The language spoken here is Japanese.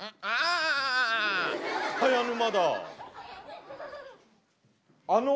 ああ！